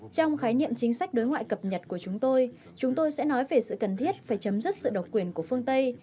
trong khái niệm chính sách đối ngoại cập nhật của chúng tôi chúng tôi sẽ nói về sự cần thiết phải chấm dứt sự độc quyền của phương tây